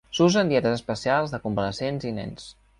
S'usa en dietes especials de convalescents i nens.